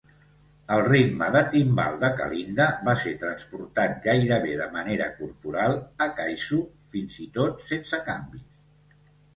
El ritme de timbal de Kalinda va ser transportat gairebé de manera corporal a Kaiso fins i tot sense canvis.